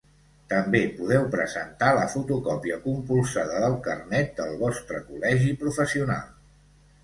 També podeu presentar la fotocòpia compulsada del carnet del vostre col·legi professional.